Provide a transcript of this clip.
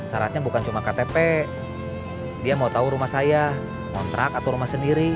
sarannya bukan cuma ktp dia mau tau rumah saya kontrak atau rumah sendiri